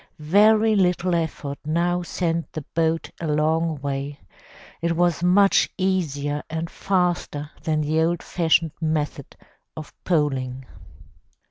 Very little effort now sent the boat a long way. It was much easier and faster than the old fashioned method of poling.